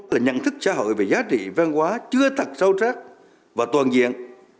là nhận thức xã hội về giá trị văn hóa chưa thật sâu trắc và toàn diện